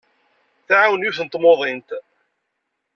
Tɛawen yiwet n tmuḍint.